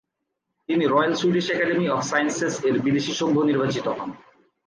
তিনি Royal Swedish Academy of Sciences এর বিদেশী সভ্য নির্বাচিত হন।